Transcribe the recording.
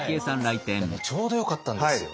いやねちょうどよかったんですよ。